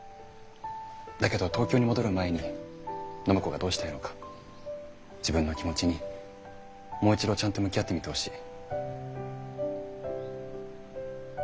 だけど東京に戻る前に暢子がどうしたいのか自分の気持ちにもう一度ちゃんと向き合ってみてほしい。